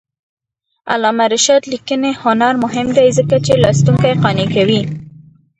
د علامه رشاد لیکنی هنر مهم دی ځکه چې لوستونکي قانع کوي.